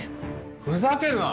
ふざけるな！